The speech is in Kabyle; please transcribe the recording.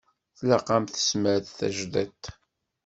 Tlaq-am tesmert d tajdidt.